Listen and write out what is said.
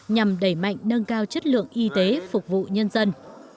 nhằm đẩy mạnh nâng cao chất lượng y tế phục vụ nhân dân